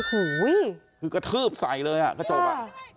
คือกระทืบใส่เลยกระจกอ่ะ